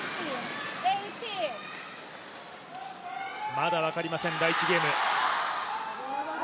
まだ分かりません、第１ゲーム。